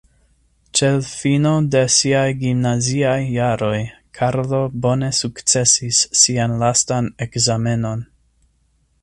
Ĉe l' fino de siaj gimnaziaj jaroj, Karlo bone sukcesis sian lastan ekzamenon.